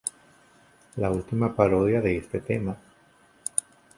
La Última parodia de este Tema.